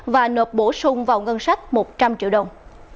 và nộp bổ sung vào ngân sách một trăm linh triệu đồng